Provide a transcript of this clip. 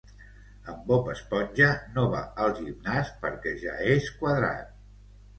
En Bob Esponja no va al gimnàs perquè ja és quadrat.